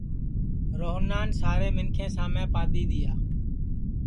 روہنان سارے منکھیں سامے پادؔی دؔیا